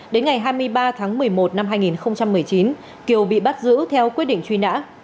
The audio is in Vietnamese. đến ngày hai mươi ba tháng một mươi một năm hai nghìn một mươi chín kiều bị bắt giữ theo quyết định truy nã